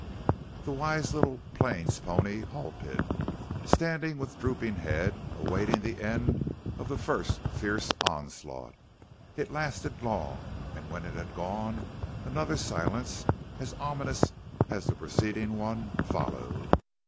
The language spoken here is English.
The wise little plains pony halted, standing with drooping head, awaiting the end of the first fierce onslaught. It lasted long and when it had gone another silence, as ominous as the preceding one, followed.